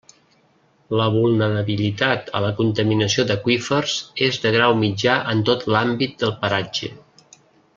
La vulnerabilitat a la contaminació d'aqüífers és de grau mitjà en tot l'àmbit del paratge.